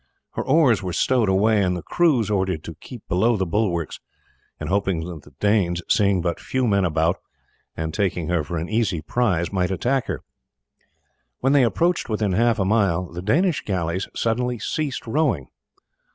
Her oars were stowed away, and the crews ordered to keep below the bulwarks, in hopes that the Danes, seeing but few men about and taking her for an easy prize, might attack her. When they approached within half a mile the Danish galleys suddenly ceased rowing.